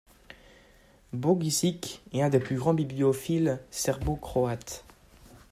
Bogisic est un des plus grands bibliophiles serbo-croates.